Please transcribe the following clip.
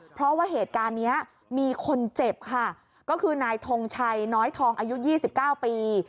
เพราะว่าเหตุการณ์นี้มีคนเจ็บค่ะก็คือนายทงชัยน้อยทองอายุ๒๙ปี